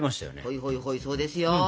ほいほいほいそうですよ。